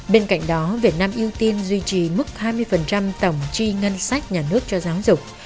bên cạnh đó việt nam ưu tiên duy trì mức hai mươi tổng chi ngân sách nhà nước cho giáo dục